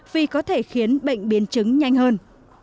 vì có thể khiến bệnh biến chứng nhanh hơn